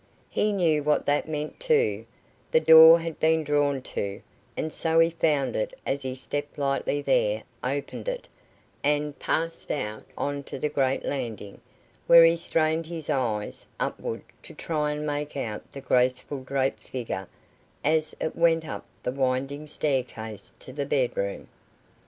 He knew what that meant, too; the door had been drawn to, and so he found it as he stepped lightly there, opened it, and passed out on to the great landing, where he strained his eyes upward to try and make out the graceful draped figure as it went up the winding staircase to the bedroom.